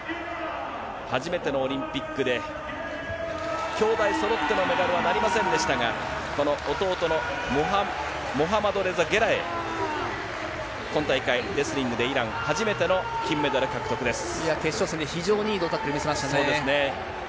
初めてのオリンピックで、兄弟そろってのメダルはなりませんでしたが、この弟のモハンマドレザ・ゲラエイ、今大会、レスリングでイラン、決勝戦で非常にいい胴タックそうですね。